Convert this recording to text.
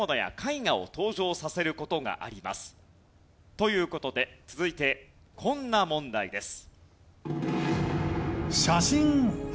という事で続いてこんな問題です。